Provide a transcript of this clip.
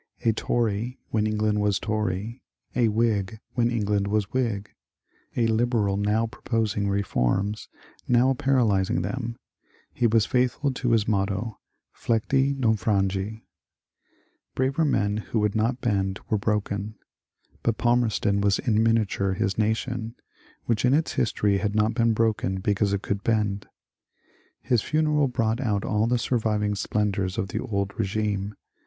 A Tory when England was tory ; a Whig when England was whig ; a Liberal now pro posing reforms, now paralyzing them, he was faithful to his motto, ^^Flecti nonfrangV Braver men who would not bend were broken, but Palmerston was in miniature his nation, which in its history had not been broken because it could bend. His funeral brought out all the surviving splendours of the old regime.